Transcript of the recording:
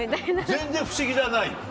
全然不思議じゃないの。